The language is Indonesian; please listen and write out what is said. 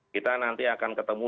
kita nanti akan ketemu